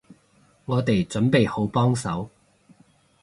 我哋準備好幫手